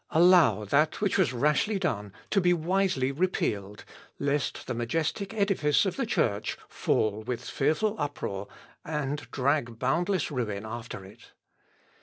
allow that which was rashly done to be wisely repealed, lest the majestic edifice of the Church fall with fearful uproar, and drag boundless ruin after it.